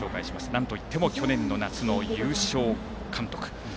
なんといっても去年の夏の優勝監督。